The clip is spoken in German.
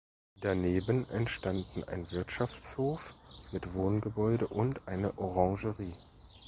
Daneben entstanden ein Wirtschaftshof mit Wohngebäude und eine Orangerie.